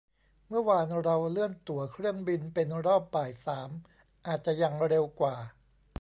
เมื่อวานเราเลื่อนตั๋วเครื่องบินเป็นรอบบ่ายสามอาจจะยังเร็วกว่า